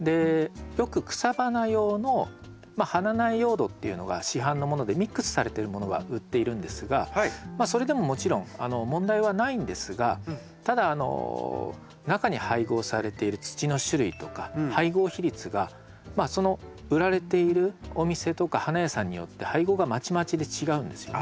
よく草花用のまあ花苗用土っていうのが市販のものでミックスされてるものが売っているんですがそれでももちろん問題はないんですがただ中に配合されている土の種類とか配合比率がその売られているお店とか花屋さんによって配合がまちまちで違うんですよ。